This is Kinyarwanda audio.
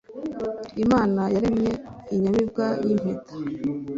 imana yaremye inyamibwa y' impeta